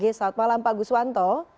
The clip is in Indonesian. selamat malam pak guswanto